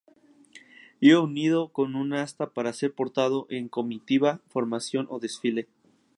Iba unido a un asta para ser portado en comitiva, formación o desfile.